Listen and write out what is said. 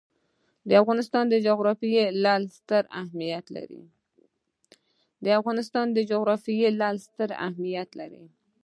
د افغانستان جغرافیه کې لعل ستر اهمیت لري.